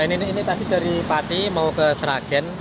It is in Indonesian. ini tadi dari pati mau ke sragen